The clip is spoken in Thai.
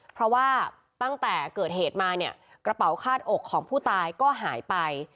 เพราะว่าตั้งแต่เกิดเหตุมาเนี่ยกระเป๋าคาดอกของผู้ตายก็หายไป